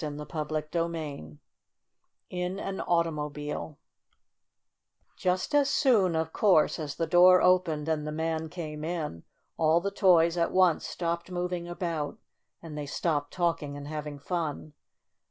CHAPTER TVj IN AN AUTOMOBILE Just as soon, of course, as the door opened and the man came in, all the toys at once stopped moving about, and they stopped talking and having fun.